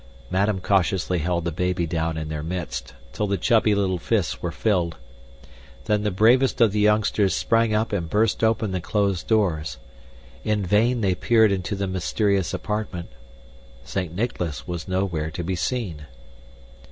Madame cautiously held the baby down in their midst, till the chubby little fists were filled. Then the bravest of the youngsters sprang up and burst open the closed doors. In vain they peered into the mysterious apartment. Saint Nicholas was nowhere to be seen.